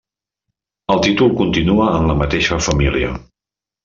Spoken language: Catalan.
El títol continua en la mateixa família.